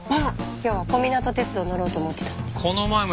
今日は小湊鐵道乗ろうと思ってたのに。